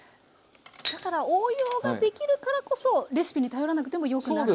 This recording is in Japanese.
だから応用ができるからこそレシピに頼らなくてもよくなるっていう。